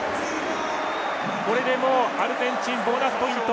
これでアルゼンチンボーナスポイント。